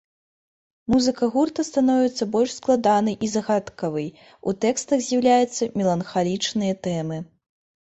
Музыка гурта становіцца больш складанай і загадкавай, у тэкстах з'яўляюцца меланхалічныя тэмы.